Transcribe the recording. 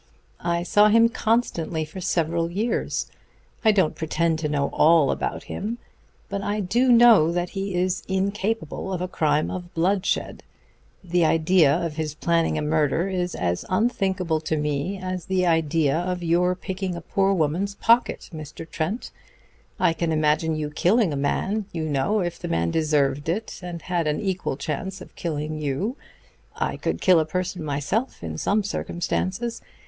I saw him constantly for several years. I don't pretend to know all about him; but I do know that he is incapable of a crime of bloodshed. The idea of his planning a murder is as unthinkable to me as the idea of your picking a poor woman's pocket, Mr. Trent. I can imagine you killing a man, you know ... if the man deserved it and had an equal chance of killing you. I could kill a person myself in some circumstances.